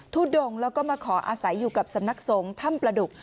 ทุดงแล้วก็มาขออาศัยอยู่กับสำนักสงฆ์ถ้ำประดุก